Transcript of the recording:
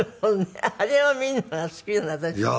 あれを見るのが好きなの私。